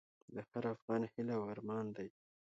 د هر افغان هیله او ارمان دی؛